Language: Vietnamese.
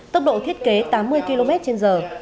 tốc độ thiết kế tám mươi km trên giờ